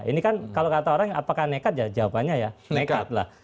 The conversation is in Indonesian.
ini kan kalau kata orang apakah nekat ya jawabannya ya nekat lah